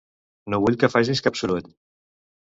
No vull que facis cap soroll.